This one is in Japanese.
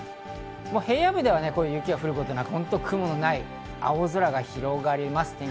平野部では雪が降ることなく雲のない青空が広がります。